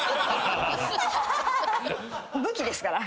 武器ですから。